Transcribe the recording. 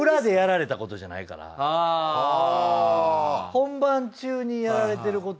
本番中にやられてること。